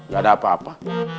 gaada apa apa